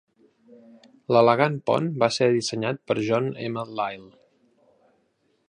L'elegant pont va ser dissenyat per John M. Lyle.